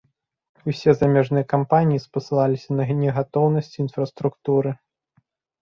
Усе замежныя кампаніі спасылаліся на негатоўнасць інфраструктуры.